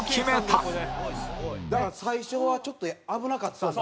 だから最初はちょっと危なかったんだ。